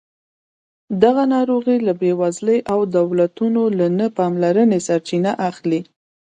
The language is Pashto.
دغه ناروغۍ له بېوزلۍ او دولتونو له نه پاملرنې سرچینه اخلي.